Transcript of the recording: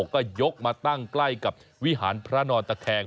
ก็ยกมาตั้งใกล้กับวิหารพระนอนตะแคง